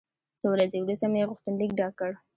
څو ورځې وروسته مې غوښتنلیک ډک کړ.